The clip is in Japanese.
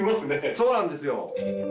そうなんですよ。